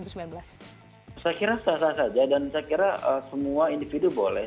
saya kira sah sah saja dan saya kira semua individu boleh